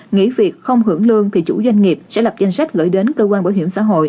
nghỉ việc không hưởng lương thì chủ doanh nghiệp sẽ lập danh sách gửi đến cơ quan bảo hiểm xã hội